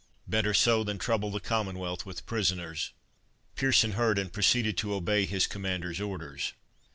Better so than trouble the Commonwealth with prisoners." Pearson heard, and proceeded to obey his commander's orders.